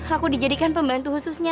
aku dijadikan pembantu khususnya